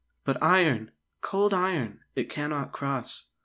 But iron cold iron it cannot cross.